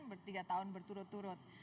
bertiga tahun berturut turut